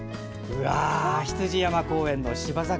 羊山公園の芝桜。